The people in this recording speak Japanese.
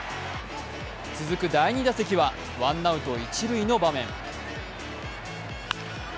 続く第２打席はワンアウト一塁の場面。